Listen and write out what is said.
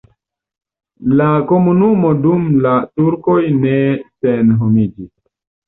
La komunumo dum la turkoj ne senhomiĝis.